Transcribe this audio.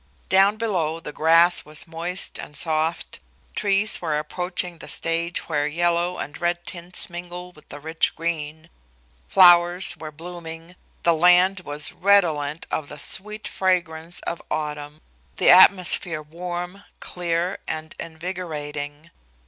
Down below the grass was moist and soft, trees were approaching the stage where yellow and red tints mingle with the rich green, flowers were blooming, the land was redolent of the sweet fragrance of autumn, the atmosphere warm, clear and invigorating.